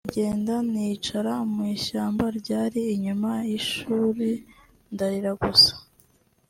ndagenda nicara mu ishyamba ryari inyuma y’ishuli ndarira gusa